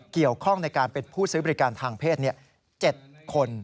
เกี่ยวข้องในการเป็นผู้ซื้อบริการทางเพศ๗คน